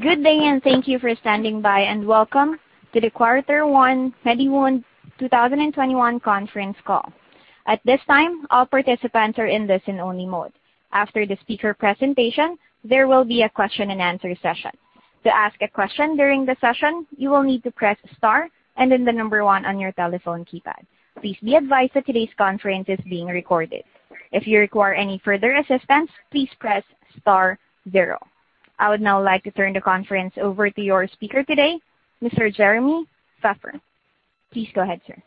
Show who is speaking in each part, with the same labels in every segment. Speaker 1: Good day and thank you for standing by, and welcome to the Quarter One MediWound 2021 conference call. I would now like to turn the conference over to your speaker today, Mr. Jeremy Feffer. Please go ahead, sir.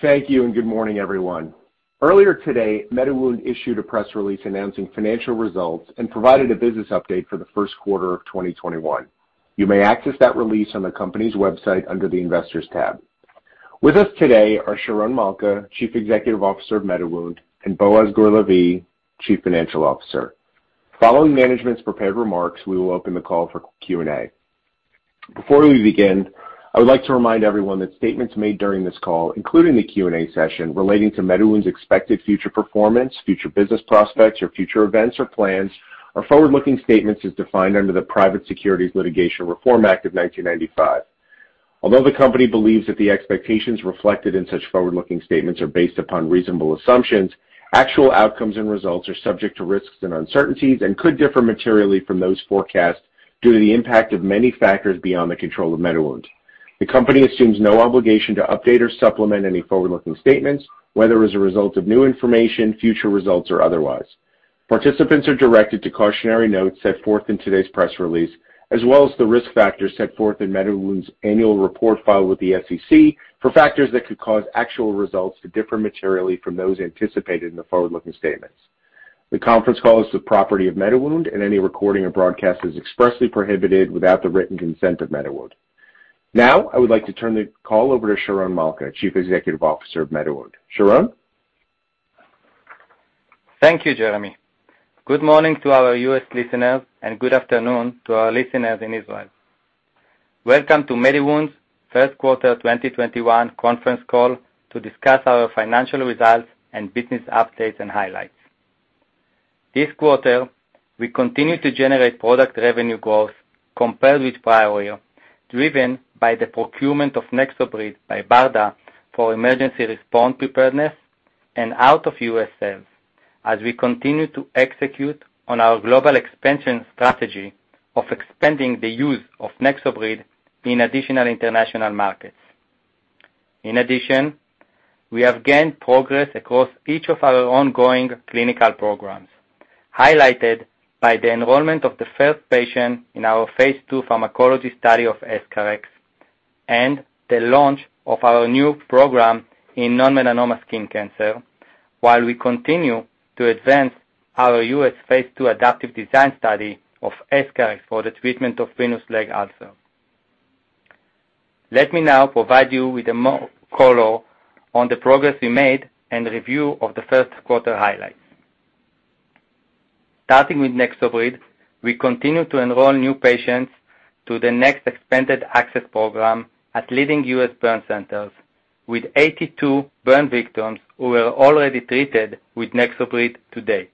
Speaker 2: Thank you, and good morning, everyone. Earlier today, MediWound issued a press release announcing financial results and provided a business update for the first quarter of 2021. You may access that release on the company's website under the Investors tab. With us today are Sharon Malka, Chief Executive Officer of MediWound, and Boaz Gur-Lavie, Chief Financial Officer. Following management's prepared remarks, we will open the call for Q&A. Before we begin, I would like to remind everyone that statements made during this call, including the Q&A session relating to MediWound's expected future performance, future business prospects, or future events or plans are forward-looking statements as defined under the Private Securities Litigation Reform Act of 1995. Although the company believes that the expectations reflected in such forward-looking statements are based upon reasonable assumptions, actual outcomes and results are subject to risks and uncertainties and could differ materially from those forecasts due to the impact of many factors beyond the control of MediWound. The company assumes no obligation to update or supplement any forward-looking statements, whether as a result of new information, future results, or otherwise. Participants are directed to cautionary notes set forth in today's press release, as well as the risk factors set forth in MediWound's annual report filed with the SEC for factors that could cause actual results to differ materially from those anticipated in the forward-looking statements. The conference call is the property of MediWound, and any recording or broadcast is expressly prohibited without the written consent of MediWound. Now, I would like to turn the call over to Sharon Malka, Chief Executive Officer of MediWound. Sharon?
Speaker 3: Thank you, Jeremy. Good morning to our U.S. listeners and good afternoon to our listeners in Israel. Welcome to MediWound's first quarter 2021 conference call to discuss our financial results and business updates and highlights. This quarter, we continued to generate product revenue growth compared with prior, driven by the procurement of NexoBrid by BARDA for emergency response preparedness and out-of-U.S. sales as we continue to execute on our global expansion strategy of expanding the use of NexoBrid in additional international markets. In addition, we have gained progress across each of our ongoing clinical programs, highlighted by the enrollment of the first patient in our phase II pharmacology study of EscharEx and the launch of our new program in non-melanoma skin cancer. We continue to advance our U.S. phase II adaptive design study of EscharEx for the treatment of venous leg ulcers. Let me now provide you with more color on the progress we made and review of the first quarter highlights. Starting with NexoBrid, we continue to enroll new patients to the NEXT expanded access program at leading U.S. burn centers with 82 burn victims who were already treated with NexoBrid to date.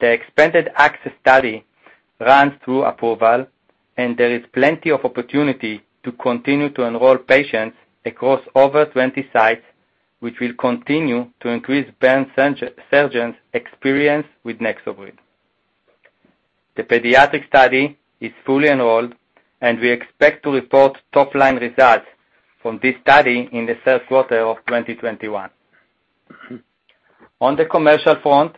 Speaker 3: The expanded access study runs through approval, and there is plenty of opportunity to continue to enroll patients across over 20 sites, which will continue to increase burn surgeons' experience with NexoBrid. The pediatric study is fully enrolled, and we expect to report top-line results from this study in the first quarter of 2021. On the commercial front,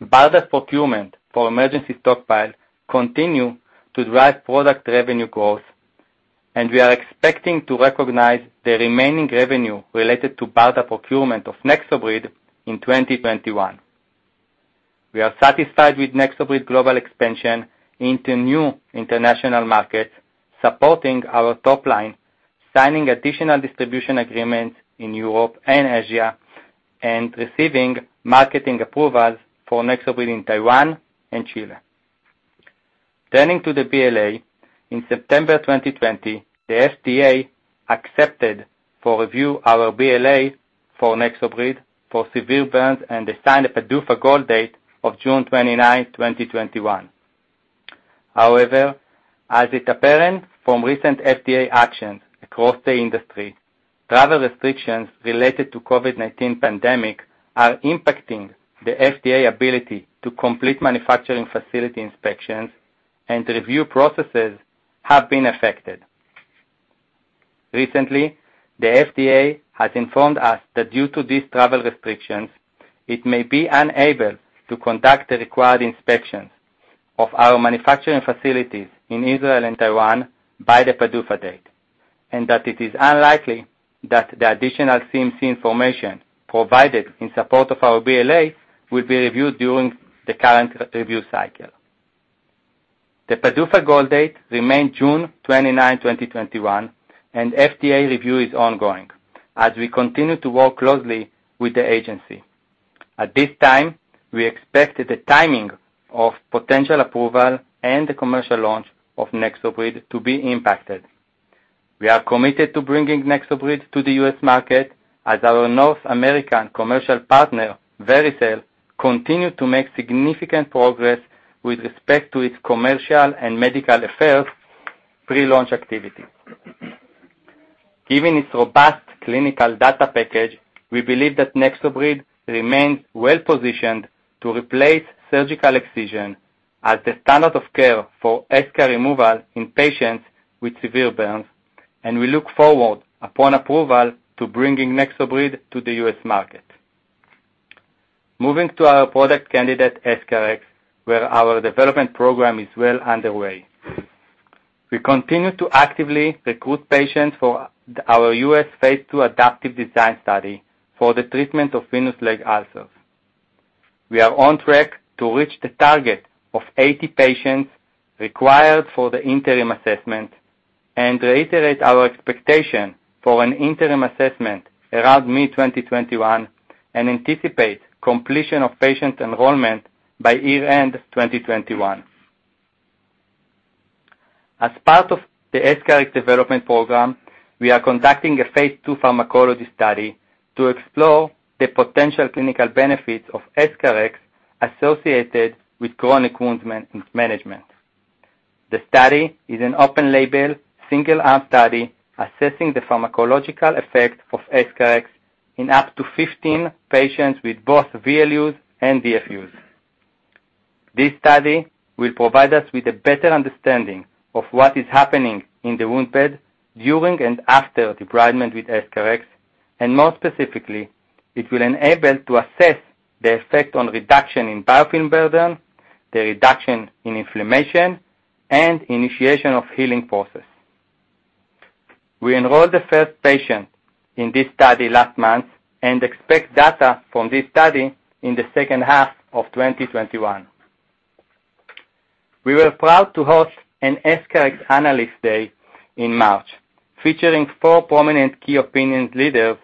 Speaker 3: BARDA procurement for emergency stockpile continue to drive product revenue growth, We are expecting to recognize the remaining revenue related to BARDA procurement of NexoBrid in 2021. We are satisfied with NexoBrid global expansion into new international markets, supporting our top line, signing additional distribution agreements in Europe and Asia, and receiving marketing approvals for NexoBrid in Taiwan and Chile. Turning to the BLA, in September 2020, the FDA accepted for review our BLA for NexoBrid for severe burns and assigned a PDUFA goal date of June 29, 2021. However, as is apparent from recent FDA actions across the industry, travel restrictions related to COVID-19 pandemic are impacting the FDA ability to complete manufacturing facility inspections and review processes have been affected. Recently, the FDA has informed us that due to these travel restrictions, it may be unable to conduct the required inspections of our manufacturing facilities in Israel and Taiwan by the PDUFA date, and that it is unlikely that the additional CMC information provided in support of our BLA will be reviewed during the current review cycle. The PDUFA goal date remains June 29, 2021, and FDA review is ongoing as we continue to work closely with the agency. At this time, we expect that the timing of potential approval and the commercial launch of NexoBrid to be impacted. We are committed to bringing NexoBrid to the U.S. market as our North American commercial partner, Vericel, continue to make significant progress with respect to its commercial and medical affairs pre-launch activity. Given its robust clinical data package, we believe that NexoBrid remains well-positioned to replace surgical excision as the standard of care for eschar removal in patients with severe burns, and we look forward, upon approval, to bringing NexoBrid to the U.S. market. Moving to our product candidate EscharEx, where our development program is well underway. We continue to actively recruit patients for our U.S. phase II adaptive design study for the treatment of venous leg ulcers. We are on track to reach the target of 80 patients required for the interim assessment, and reiterate our expectation for an interim assessment around mid-2021, and anticipate completion of patient enrollment by year-end 2021. As part of the EscharEx development program, we are conducting a phase II pharmacology study to explore the potential clinical benefits of EscharEx associated with chronic wound management. The study is an open-label, single arm study assessing the pharmacological effect of EscharEx in up to 15 patients with both VLUs and DFUs. This study will provide us with a better understanding of what is happening in the wound bed during and after debridement with EscharEx, and more specifically, it will enable to assess the effect on reduction in biofilm burden, the reduction in inflammation, and initiation of healing process. We enrolled the first patient in this study last month and expect data from this study in the second half of 2021. We were proud to host an EscharEx Analyst Day in March, featuring four prominent key opinion leaders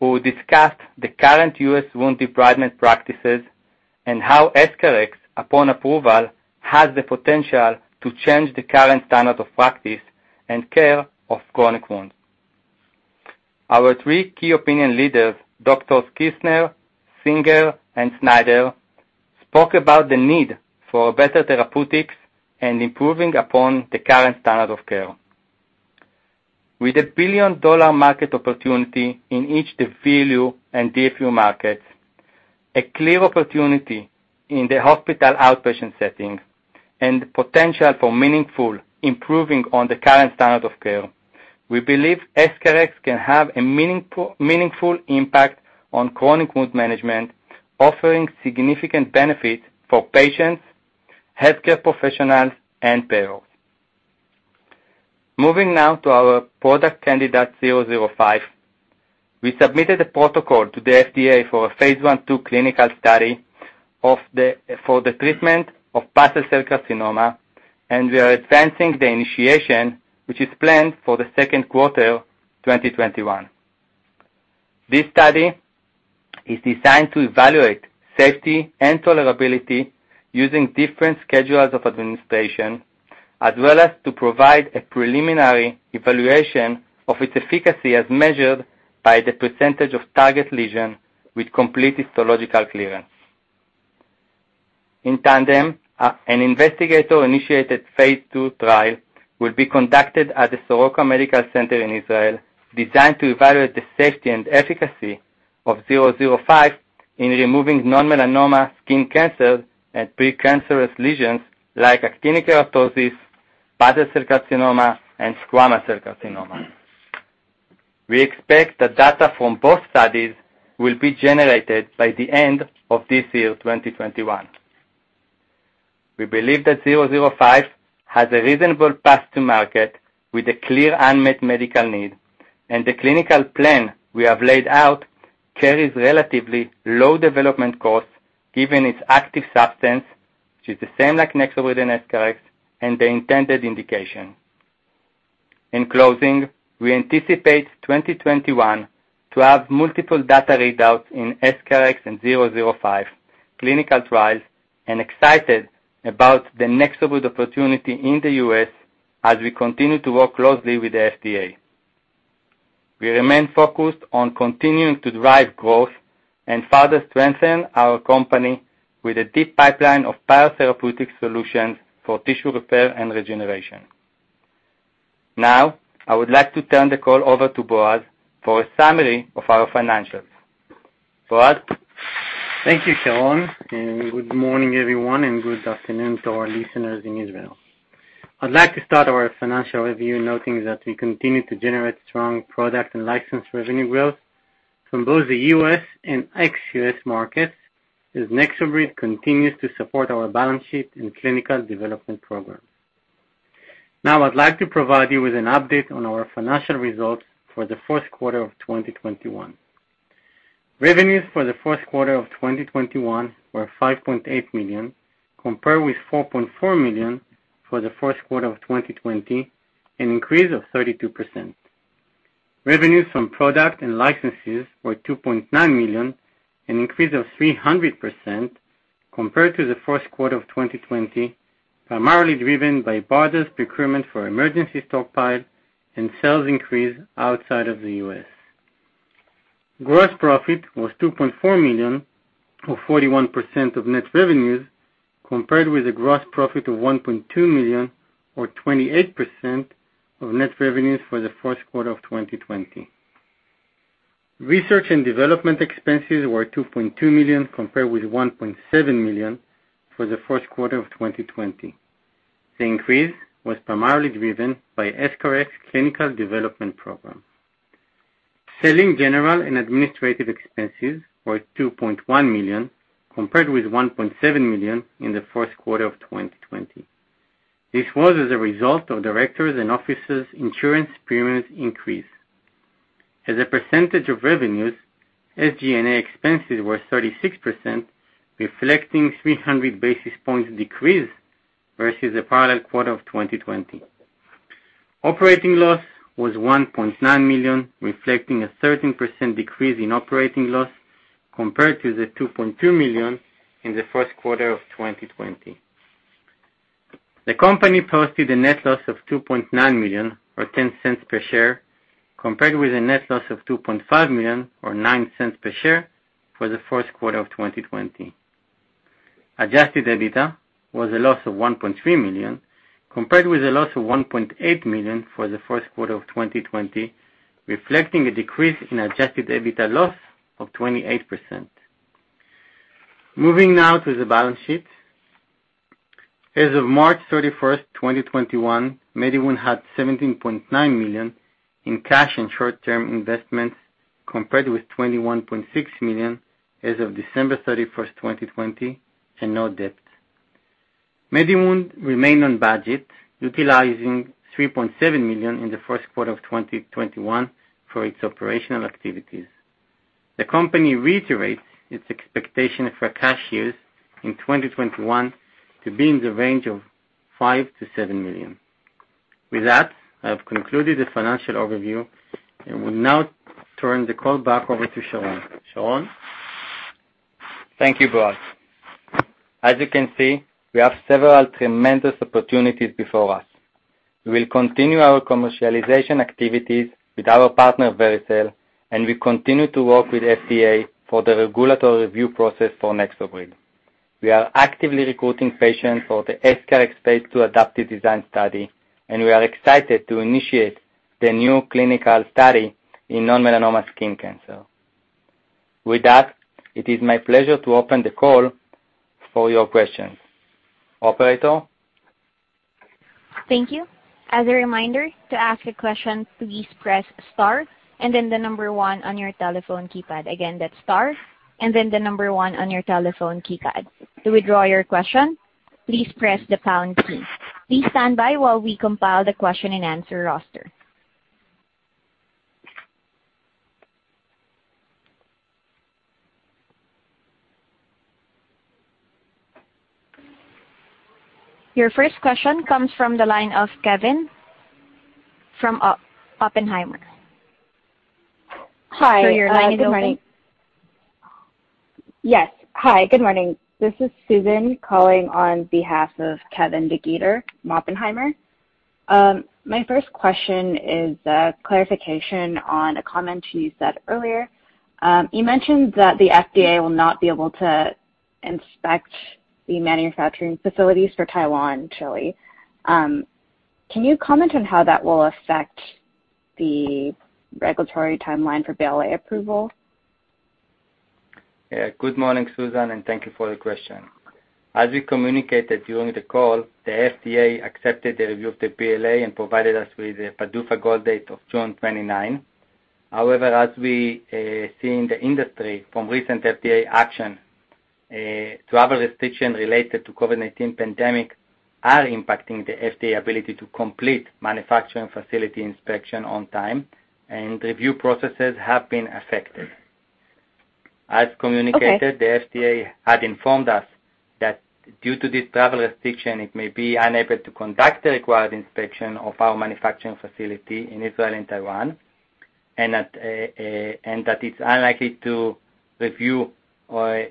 Speaker 3: who discussed the current U.S. wound debridement practices and how EscharEx, upon approval, has the potential to change the current standard of practice and care of chronic wounds. Our three key opinion leaders, Doctors Kirsner, Singer, and Snyder, spoke about the need for better therapeutics and improving upon the current standard of care. With a billion-dollar market opportunity in each the VLU and DFU markets, a clear opportunity in the hospital outpatient setting, and potential for meaningful improving on the current standard of care, we believe EscharEx can have a meaningful impact on chronic wound management, offering significant benefits for patients, healthcare professionals, and payers. Moving now to our product candidate, MW005. We submitted a protocol to the FDA for a phase I/II clinical study for the treatment of basal cell carcinoma, and we are advancing the initiation, which is planned for the second quarter 2021. This study is designed to evaluate safety and tolerability using different schedules of administration, as well as to provide a preliminary evaluation of its efficacy as measured by the percentage of target lesion with complete histological clearance. In tandem, an investigator-initiated phase II trial will be conducted at the Soroka Medical Center in Israel, designed to evaluate the safety and efficacy of MW005 in removing non-melanoma skin cancer and pre-cancerous lesions like actinic keratosis, basal cell carcinoma, and squamous cell carcinoma. We expect that data from both studies will be generated by the end of this year, 2021. We believe that MW005 has a reasonable path to market with a clear unmet medical need, and the clinical plan we have laid out carries relatively low development costs given its active substance, which is the same like NexoBrid and EscharEx, and the intended indication. In closing, we anticipate 2021 to have multiple data readouts in EscharEx and MW005 clinical trials, and excited about the NexoBrid opportunity in the U.S. as we continue to work closely with the FDA. We remain focused on continuing to drive growth and further strengthen our company with a deep pipeline of biotherapeutic solutions for tissue repair and regeneration. Now, I would like to turn the call over to Boaz for a summary of our financials. Boaz?
Speaker 4: Thank you, Sharon, and good morning, everyone, and good afternoon to our listeners in Israel. I'd like to start our financial review noting that we continue to generate strong product and license revenue growth from both the U.S. and ex-U.S. markets, as NexoBrid continues to support our balance sheet and clinical development program. Now I'd like to provide you with an update on our financial results for the first quarter of 2021. Revenues for the first quarter of 2021 were $5.8 million, compared with $4.4 million for the first quarter of 2020, an increase of 32%. Revenues from product and licenses were $2.9 million, an increase of 300% compared to the first quarter of 2020, primarily driven by BARDA's procurement for emergency stockpile and sales increase outside of the U.S. Gross profit was $2.4 million, or 41% of net revenues, compared with a gross profit of $1.2 million, or 28% of net revenues for the first quarter of 2020. Research and development expenses were $2.2 million, compared with $1.7 million for the first quarter of 2020. The increase was primarily driven by EscharEx clinical development program. Selling, general, and administrative expenses were $2.1 million, compared with $1.7 million in the first quarter of 2020. This was as a result of directors and officers' insurance premiums increase. As a percentage of revenues, SG&A expenses were 36%, reflecting 300 basis points decrease versus the prior quarter of 2020. Operating loss was $1.9 million, reflecting a 13% decrease in operating loss compared to the $2.2 million in the first quarter of 2020. The company posted a net loss of $2.9 million, or $0.10 per share, compared with a net loss of $2.5 million, or $0.09 per share, for the first quarter of 2020. Adjusted EBITDA was a loss of $1.3 million, compared with a loss of $1.8 million for the first quarter of 2020, reflecting a decrease in adjusted EBITDA loss of 28%. Moving now to the balance sheet. As of March 31st, 2021, MediWound had $17.9 million in cash and short-term investments, compared with $21.6 million as of December 31st, 2020, and no debt. MediWound remained on budget, utilizing $3.7 million in the first quarter of 2021 for its operational activities. The company reiterates its expectation for cash use in 2021 to be in the range of $5 million-$7 million. With that, I have concluded the financial overview and will now turn the call back over to Sharon. Sharon?
Speaker 3: Thank you, Boaz. As you can see, we have several tremendous opportunities before us. We will continue our commercialization activities with our partner, Vericel, and we continue to work with FDA for the regulatory review process for NexoBrid. We are actively recruiting patients for the EscharEx phase II adaptive design study, and we are excited to initiate the new clinical study in non-melanoma skin cancer. With that, it is my pleasure to open the call for your questions. Operator?
Speaker 1: Thank you. As a reminder, to ask a question, please press star and then the number one on your telephone keypad. Again, that's star and then the number one on your telephone keypad. To withdraw your question, please press the pound key. Please stand by while we compile the question-and-answer roster. Your first question comes from the line of Kevin from Oppenheimer.
Speaker 5: Hi.
Speaker 1: Is your line open?
Speaker 5: Yes. Hi, good morning. This is Susan calling on behalf of Kevin DeGeeter, Oppenheimer. My first question is a clarification on a comment you said earlier. You mentioned that the FDA will not be able to inspect the manufacturing facilities for Taiwan and Chile. Can you comment on how that will affect the regulatory timeline for BLA approval?
Speaker 3: Good morning, Susan, and thank you for the question. As we communicated during the call, the FDA accepted the review of the BLA and provided us with a PDUFA goal date of June 29. However, as we see in the industry from recent FDA action, travel restriction related to COVID-19 pandemic are impacting the FDA ability to complete manufacturing facility inspection on time, and review processes have been affected.
Speaker 5: Okay.
Speaker 3: As communicated, the FDA had informed us that due to this travel restriction, it may be unable to conduct the required inspection of our manufacturing facility in Israel and Taiwan, and that it's unlikely to review the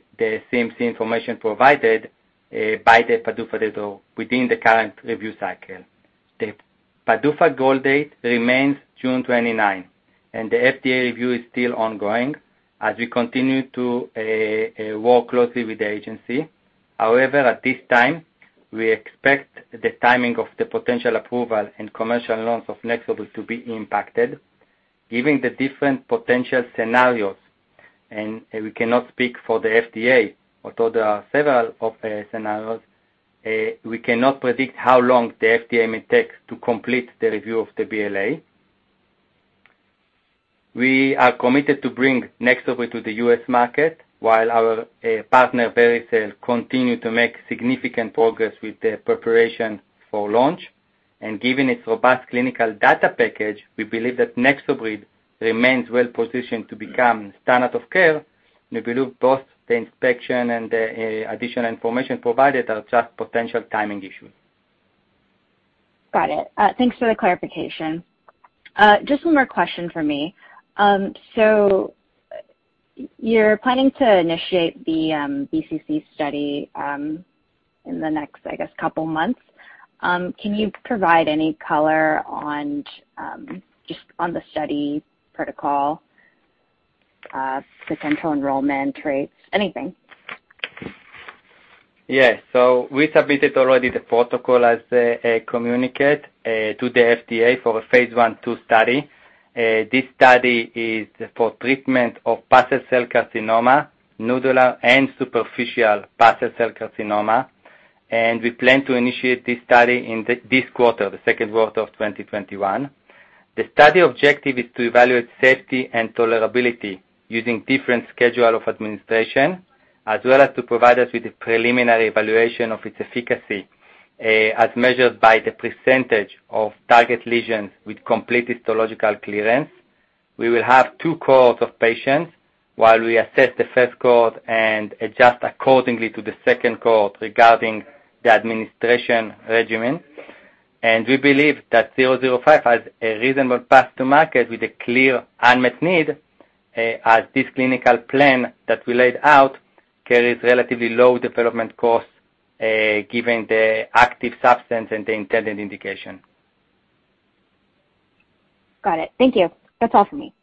Speaker 3: CMC information provided by the PDUFA date or within the current review cycle. The PDUFA goal date remains June 29th. The FDA review is still ongoing as we continue to work closely with the agency. At this time, we expect the timing of the potential approval and commercial launch of NexoBrid to be impacted. Given the different potential scenarios, and we cannot speak for the FDA, although there are several of scenarios, we cannot predict how long the FDA may take to complete the review of the BLA. We are committed to bring NexoBrid to the U.S. market while our partner, Vericel, continue to make significant progress with the preparation for launch. Given its robust clinical data package, we believe that NexoBrid remains well positioned to become standard of care when we look both the inspection and the additional information provided are just potential timing issues.
Speaker 5: Got it. Thanks for the clarification. Just one more question from me. You're planning to initiate the BCC study in the next, I guess, couple months. Can you provide any color on the study protocol, potential enrollment rates, anything?
Speaker 3: Yes. We submitted already the protocol as a communicate to the FDA for a phase I/II study. This study is for treatment of basal cell carcinoma, nodular and superficial basal cell carcinoma, and we plan to initiate this study in this quarter, the second quarter of 2021. The study objective is to evaluate safety and tolerability using different schedule of administration as well as to provide us with a preliminary evaluation of its efficacy, as measured by the percentage of target lesions with complete histological clearance. We will have two cohort of patients while we assess the first cohort and adjust accordingly to the second cohort regarding the administration regimen. We believe that MW005 has a reasonable path to market with a clear unmet need, as this clinical plan that we laid out carries relatively low development costs, given the active substance and the intended indication.
Speaker 5: Got it. Thank you. That's all for me.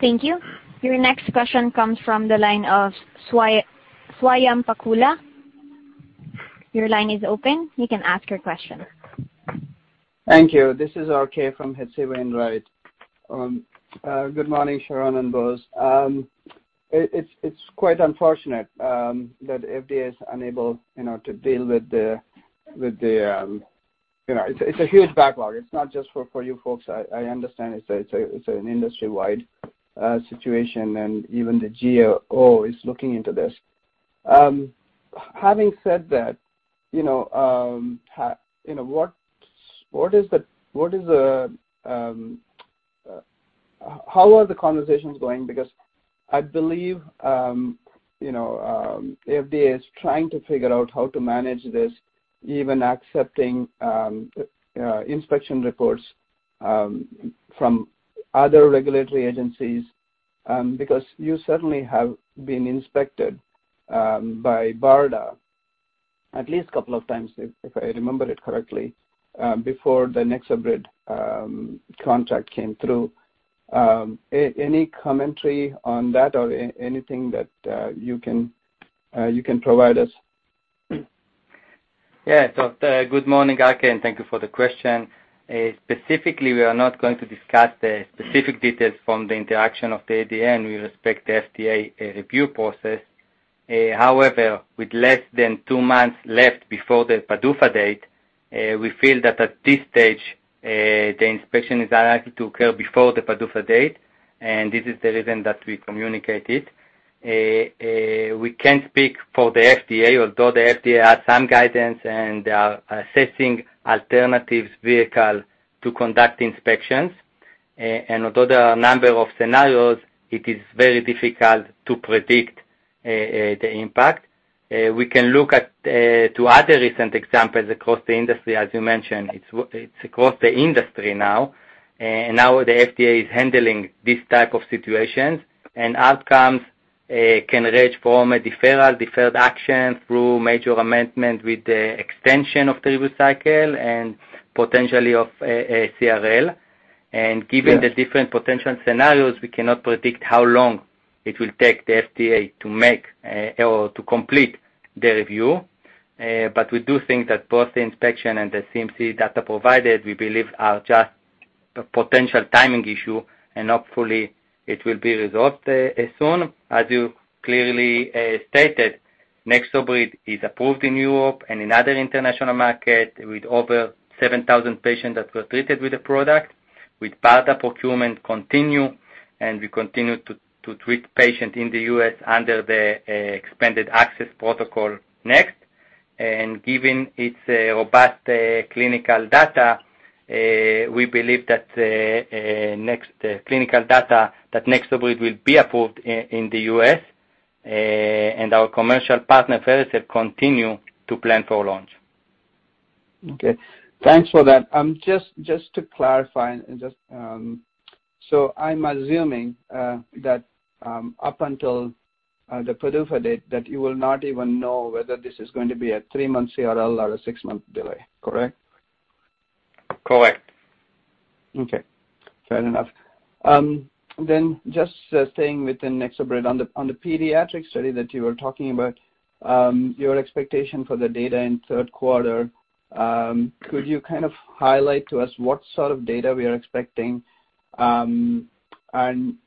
Speaker 1: Thank you. Your next question comes from the line of Swayampakula Ramakanth. Your line is open. You can ask your question.
Speaker 6: Thank you. This is RK from H.C. Wainwright. Good morning, Sharon and Boaz. It's quite unfortunate that FDA is unable to deal with the It's a huge backlog. It's not just for you folks. I understand it's an industry-wide situation, and even the GAO is looking into this. Having said that, how are the conversations going? I believe FDA is trying to figure out how to manage this, even accepting inspection reports from other regulatory agencies. You certainly have been inspected by BARDA at least a couple of times, if I remember it correctly, before the NexoBrid contract came through. Any commentary on that or anything that you can provide us?
Speaker 3: Good morning, RK, and thank you for the question. Specifically, we are not going to discuss the specific details from the interaction of the ADN. We respect the FDA review process. However, with less than two months left before the PDUFA date, we feel that at this stage, the inspection is unlikely to occur before the PDUFA date, and this is the reason that we communicated. We can't speak for the FDA, although the FDA has some guidance and are assessing alternatives vehicle to conduct inspections. Although there are a number of scenarios, it is very difficult to predict the impact. We can look at two other recent examples across the industry. As you mentioned, it's across the industry now, and now the FDA is handling these type of situations, and outcomes can range from a deferral, deferred action through major amendment with the extension of the review cycle and potentially of a CRL.
Speaker 6: Yes.
Speaker 3: Given the different potential scenarios, we cannot predict how long it will take the FDA to make or to complete the review. We do think that both the inspection and the CMC data provided, we believe, are just a potential timing issue, and hopefully, it will be resolved as soon. As you clearly stated, NexoBrid is approved in Europe and in other international market, with over 7,000 patients that were treated with the product. With BARDA procurement continue, and we continue to treat patients in the U.S. under the expanded access protocol NEXT. Given its robust clinical data, we believe that NexoBrid will be approved in the U.S., and our commercial partner, Vericel, continue to plan for launch.
Speaker 6: Okay. Thanks for that. Just to clarify, I'm assuming that up until the PDUFA date, that you will not even know whether this is going to be a three-month CRL or a six-month delay, correct?
Speaker 3: Correct.
Speaker 6: Okay. Fair enough. Just staying within NexoBrid, on the pediatric study that you were talking about, your expectation for the data in third quarter, could you kind of highlight to us what sort of data we are expecting?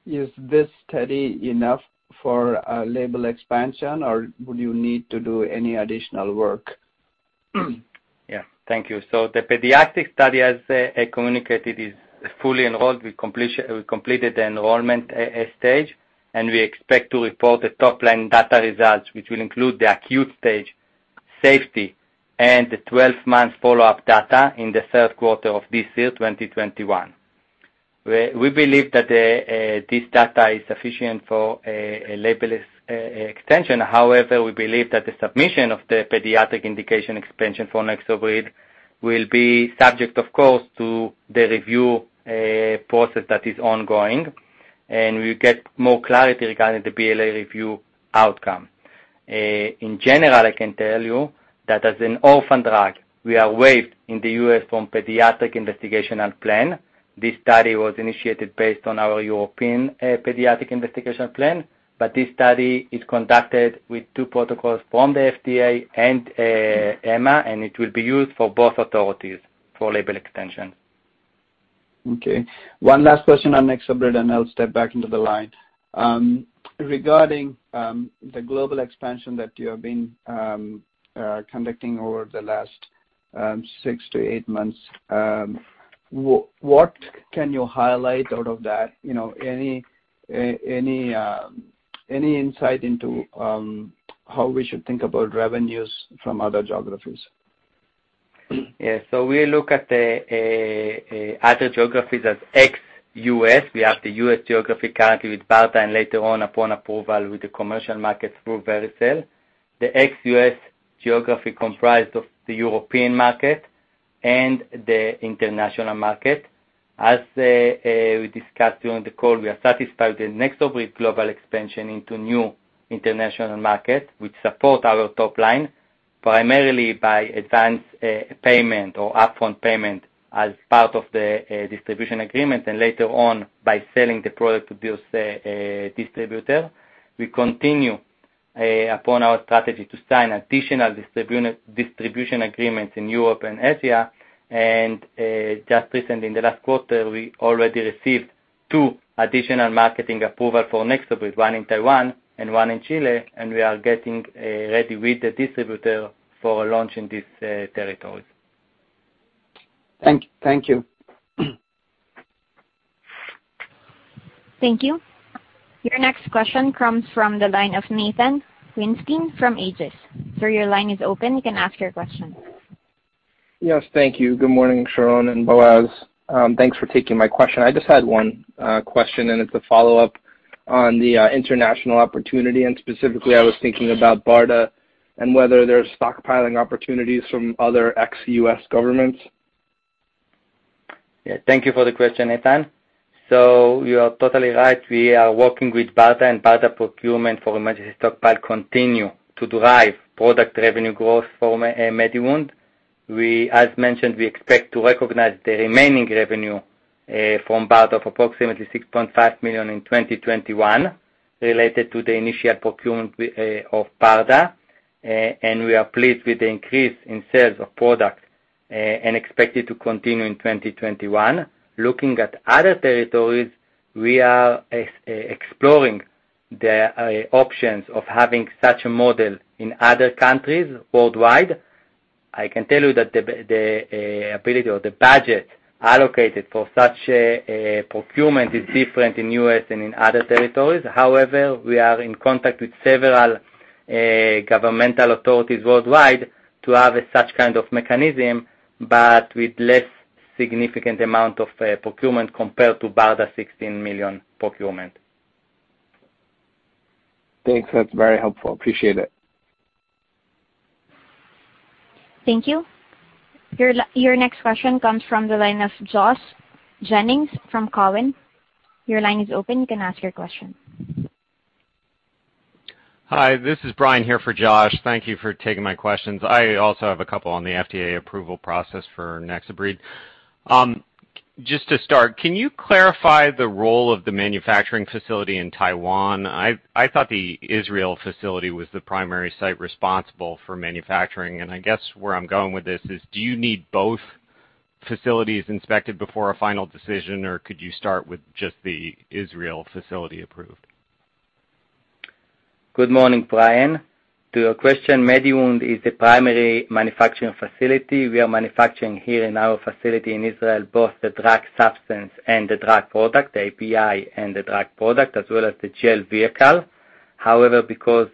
Speaker 6: Is this study enough for a label expansion, or would you need to do any additional work?
Speaker 3: Yeah. Thank you. The pediatric study, as communicated, is fully enrolled. We completed the enrollment stage, and we expect to report the top-line data results, which will include the acute stage, safety, and the 12-month follow-up data in the third quarter of this year, 2021. We believe that this data is sufficient for a label extension. However, we believe that the submission of the pediatric indication expansion for NexoBrid will be subject, of course, to the review process that is ongoing, and we get more clarity regarding the BLA review outcome. In general, I can tell you that as an orphan drug, we are waived in the U.S. from paediatric investigation plan. This study was initiated based on our European Paediatric Investigation Plan. This study is conducted with two protocols from the FDA and EMA, and it will be used for both authorities for label extension.
Speaker 6: One last question on NexoBrid, and I'll step back into the line. Regarding the global expansion that you have been conducting over the last six to eight months, what can you highlight out of that? Any insight into how we should think about revenues from other geographies?
Speaker 3: We look at other geographies as ex-U.S. We have the U.S. geography currently with BARDA and later on upon approval with the commercial markets through Vericel. The ex-U.S. geography comprised of the European market and the international market. As we discussed during the call, we are satisfied with NexoBrid global expansion into new international markets, which support our top line primarily by advance payment or upfront payment as part of the distribution agreement, and later on by selling the product to distributor. We continue upon our strategy to sign additional distribution agreements in Europe and Asia. Just recently, in the last quarter, we already received two additional marketing approval for NexoBrid, one in Taiwan and one in Chile, and we are getting ready with the distributor for launch in these territories.
Speaker 6: Thank you.
Speaker 1: Thank you. Your next question comes from the line of Nathan Weinstein from Aegis. Sir, your line is open. You can ask your question.
Speaker 7: Yes. Thank you. Good morning, Sharon and Boaz. Thanks for taking my question. I just had one question, and it's a follow-up on the international opportunity, and specifically, I was thinking about BARDA and whether there's stockpiling opportunities from other ex-U.S. governments.
Speaker 3: Thank you for the question, Nathan. You are totally right. We are working with BARDA, and BARDA procurement for emergency stockpile continue to drive product revenue growth for MediWound. As mentioned, we expect to recognize the remaining revenue from BARDA of approximately $6.5 million in 2021 related to the initial procurement of BARDA. We are pleased with the increase in sales of product and expect it to continue in 2021. Looking at other territories, we are exploring the options of having such a model in other countries worldwide. I can tell you that the ability or the budget allocated for such a procurement is different in U.S. and in other territories. However, we are in contact with several governmental authorities worldwide to have such kind of mechanism, but with less significant amount of procurement compared to BARDA $16 million procurement.
Speaker 7: Thanks. That's very helpful. Appreciate it.
Speaker 1: Thank you. Your next question comes from the line of Joshua Jennings from Cowen. Your line is open. You can ask your question.
Speaker 8: Hi, this is Brian here for Josh. Thank you for taking my questions. I also have a couple on the FDA approval process for NexoBrid. Just to start, can you clarify the role of the manufacturing facility in Taiwan? I thought the Israel facility was the primary site responsible for manufacturing, and I guess where I'm going with this is, do you need both facilities inspected before a final decision, or could you start with just the Israel facility approved?
Speaker 3: Good morning, Brian. To your question, MediWound is the primary manufacturing facility. We are manufacturing here in our facility in Israel, both the drug substance and the drug product, the API and the drug product, as well as the gel vehicle. Because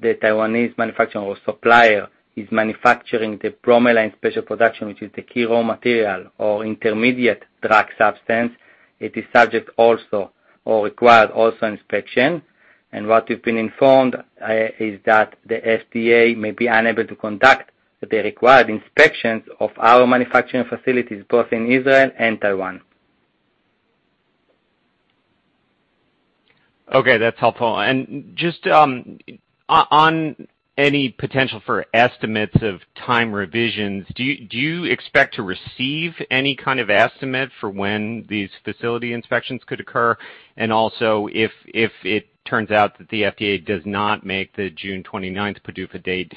Speaker 3: the Taiwanese manufacturer or supplier is manufacturing the bromelain special production, which is the key raw material or intermediate drug substance, it is subject also or required also inspection. What we've been informed is that the FDA may be unable to conduct the required inspections of our manufacturing facilities both in Israel and Taiwan.
Speaker 8: Okay. That's helpful. Just on any potential for estimates of time revisions, do you expect to receive any kind of estimate for when these facility inspections could occur? Also, if it turns out that the FDA does not make the June 29th PDUFA date,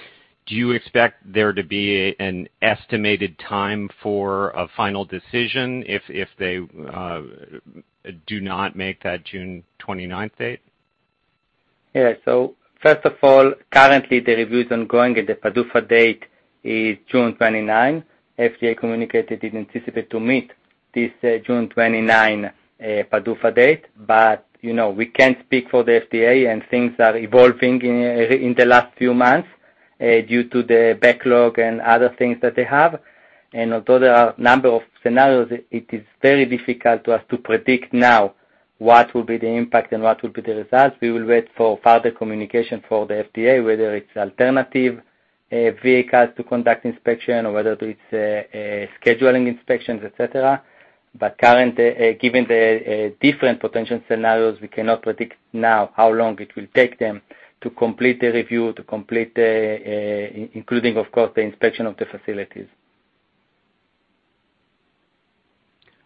Speaker 8: do you expect there to be an estimated time for a final decision if they do not make that June 29th date?
Speaker 3: Yeah. First of all, currently the review is ongoing, and the PDUFA date is June 29. FDA communicated it anticipate to meet this June 29 PDUFA date. We can't speak for the FDA, and things are evolving in the last few months. Due to the backlog and other things that they have. Although there are number of scenarios, it is very difficult to us to predict now what will be the impact and what will be the result. We will wait for further communication for the FDA, whether it's alternative vehicles to conduct inspection or whether it's scheduling inspections, et cetera. Currently, given the different potential scenarios, we cannot predict now how long it will take them to complete the review, including, of course, the inspection of the facilities.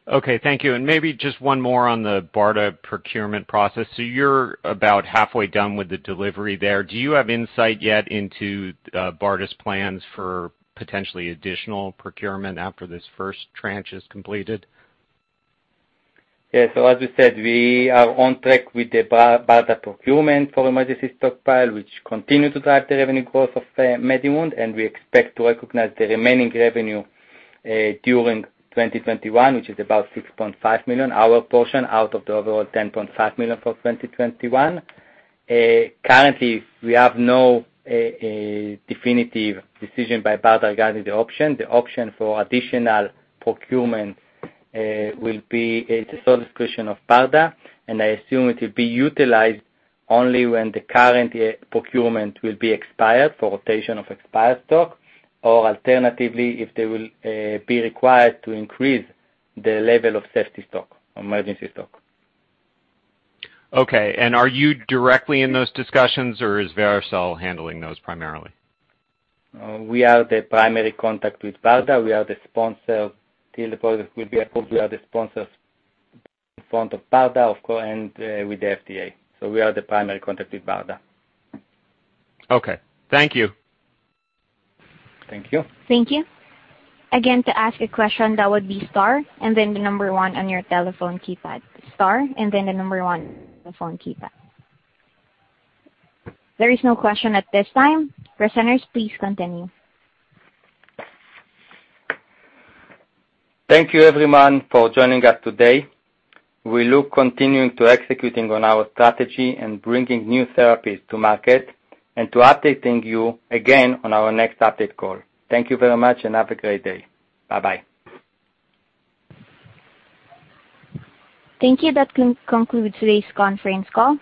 Speaker 8: Okay. Thank you. Maybe just one more on the BARDA procurement process. You're about halfway done with the delivery there. Do you have insight yet into BARDA's plans for potentially additional procurement after this first tranche is completed?
Speaker 3: Yes. As we said, we are on track with the BARDA procurement for emergency stockpile, which continue to drive the revenue growth of MediWound, and we expect to recognize the remaining revenue during 2021, which is about $6.5 million, our portion, out of the overall $10.5 million for 2021. Currently, we have no definitive decision by BARDA regarding the option. The option for additional procurement, it's a sole discretion of BARDA, and I assume it will be utilized only when the current procurement will be expired for rotation of expired stock. Alternatively, if they will be required to increase the level of safety stock or emergency stock.
Speaker 8: Okay. Are you directly in those discussions, or is Vericel handling those primarily?
Speaker 3: We are the primary contact with BARDA. We are the sponsor. Until the product will be approved, we are the sponsors in front of BARDA, of course, and with the FDA. We are the primary contact with BARDA.
Speaker 8: Okay. Thank you.
Speaker 3: Thank you.
Speaker 1: Thank you. Again, There is no question at this time. Presenters, please continue.
Speaker 3: Thank you everyone for joining us today. We look continuing to executing on our strategy and bringing new therapies to market, and to updating you again on our next update call. Thank you very much and have a great day. Bye-bye.
Speaker 1: Thank you. That concludes today's conference call.